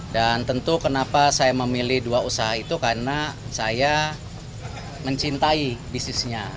dan tentu kenapa saya memilih dua usaha itu karena saya mencintai bisnisnya